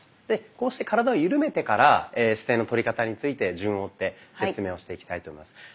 でこうして体を緩めてから姿勢のとり方について順を追って説明をしていきたいと思います。